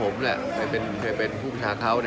มีอะไรที่สมาชิกวัฒนา